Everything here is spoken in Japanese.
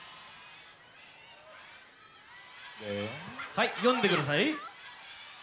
はい読んでください。